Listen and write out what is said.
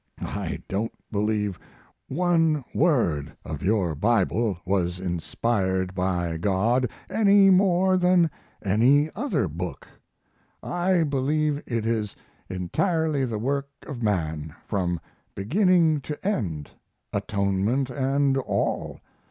I don't believe one word of your Bible was inspired by God any more than any other book. I believe it is entirely the work of man from beginning to end atonement and all.